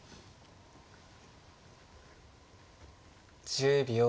１０秒。